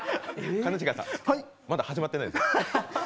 兼近さん、まだ始まってないです。